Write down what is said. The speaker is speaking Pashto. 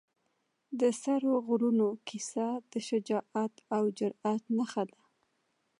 د سرو غرونو کیسه د شجاعت او جرئت نښه ده.